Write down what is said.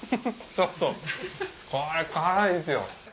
そうそうこれ辛いんですよ。